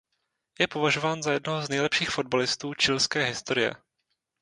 Je považován ze jednoho z nejlepších fotbalistů chilské historie.